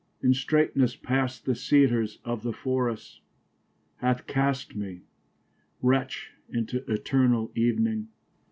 In straightnes past the Cedars of the forrests , Hath cast me wretch into eternall evening.